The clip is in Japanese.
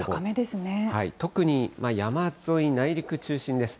特に山沿い、内陸中心です。